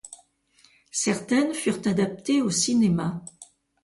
Certaines furent adaptées au cinéma.